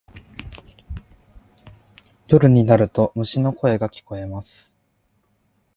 夜になると虫の声が聞こえます。